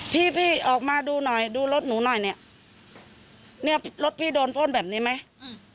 พี่พี่ออกมาดูหน่อยดูรถหนูหน่อยเนี้ยเนี้ยเนี้ยรถพี่โดนพ่นแบบนี้ไหมอืม